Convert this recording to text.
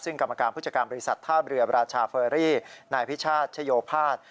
ซึ่งกรรมการพุจกรรมบริษัทท่าเบลือราชาเฟอรี่นายพิชาชโยภาส